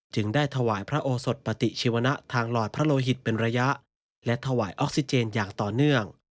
ได้ถวายพระโอสดปฏิชีวนะทางหลอดพระโลหิตเป็นระยะและถวายออกซิเจนอย่างต่อเนื่อง